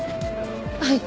はい。